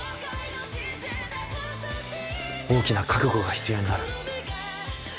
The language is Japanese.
大きな覚悟が必要になる。